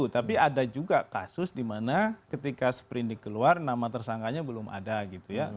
tapi ada juga kasus dimana ketika sprindik keluar nama tersangkanya belum ada gitu ya